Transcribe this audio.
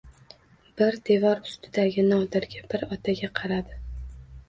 Bir devor ustidagi Nodirga, bir otaga qaradi